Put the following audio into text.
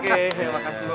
oke makasih bob